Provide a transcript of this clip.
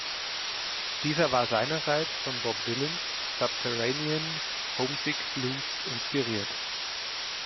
Dieser war seinerseits von Bob Dylans "Subterranean Homesick Blues" inspiriert.